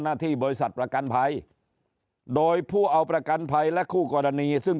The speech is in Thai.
หน้าที่บริษัทประกันภัยโดยผู้เอาประกันภัยและคู่กรณีซึ่ง